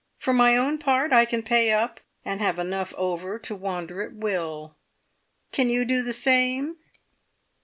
For my own part, I can pay up, and have enough over to wander at will. Can you do the same?